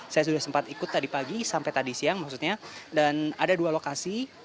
saya sudah sempat ikut tadi pagi sampai tadi siang maksudnya dan ada dua lokasi